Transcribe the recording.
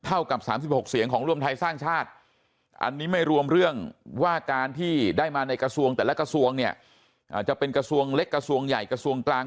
อาจจะเป็นกระทรวงเล็กกระทรวงใหญ่กระทรวงกลาง